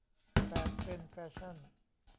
แปด เทรนด์แฟชั่น